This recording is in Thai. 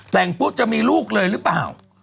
แต่งปุ๊บจะมีลูกเลยหรือเปล่า